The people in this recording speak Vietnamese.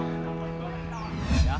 thầy không có ý gì cả